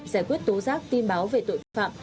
giải quyết tố giác tin báo về tội phạm